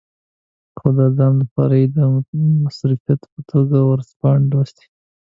خو د ځان لپاره یې د مصروفیت په توګه ورځپاڼې لوستې.